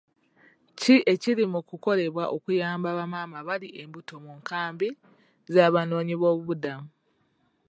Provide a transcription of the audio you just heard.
Ki ekiri mu ku kolebwa okuyamba ba maama abali embuto mu nkambi z'abanoonyi b'obubuddamu?